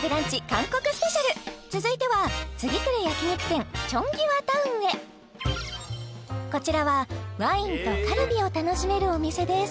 韓国スペシャル続いては次くる焼肉店チョンギワタウンへこちらはワインとカルビを楽しめるお店です